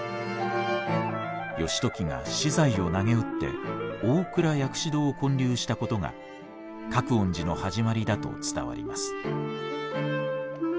義時が私財をなげうって大倉薬師堂を建立したことが覚園寺の始まりだと伝わります。